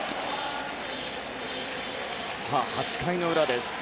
８回の裏です。